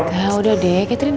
ya udah deh catherine